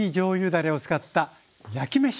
だれを使った焼きめし！